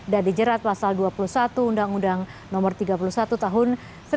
dan dijerat pasal dua puluh satu undang undang no tiga puluh satu tahun seribu sembilan ratus sembilan puluh sembilan